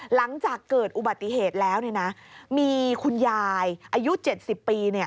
หลังจากเกิดอุบัติเหตุแล้วมีคุณยายอายุ๗๐ปี